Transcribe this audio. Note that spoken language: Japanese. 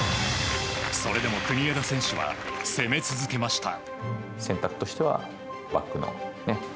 それでも国枝選手は攻め続けました。